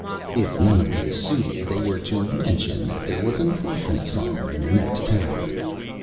If none of these suited, they were to mention that there was an orphan asylum in the next town.